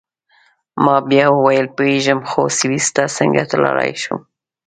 ما بیا وویل: پوهیږم، خو سویس ته څنګه تلای شم؟